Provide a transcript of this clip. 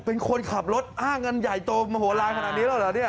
เป็นคนขับรถอ้าเงินใหญ่โตโมโหลานขนาดนี้แล้วเหรอเนี่ย